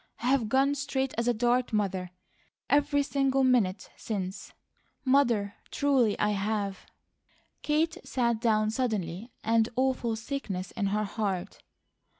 I have gone straight as a dart, Mother, every single minute since, Mother; truly I have!" Kate sat down suddenly, an awful sickness in her heart.